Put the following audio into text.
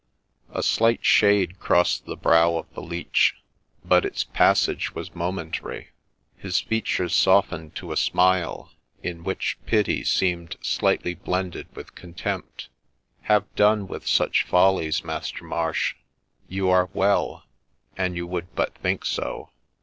A slight shade crossed the brow of the Leech, but its passage was momentary ; his features softened to a smile, in which pity seemed slightly blended with contempt. ' Have done with such follies, Master Marsh. You are well, an you would but think so.